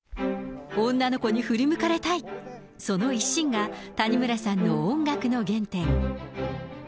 女の子に振り向かれたい、その一心が谷村さんの音楽の原点。